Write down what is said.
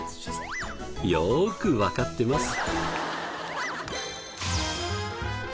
よーくわかってます。